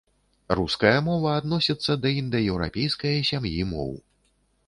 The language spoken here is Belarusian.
Руская мова адносіцца да індаеўрапейскае сям'і моў.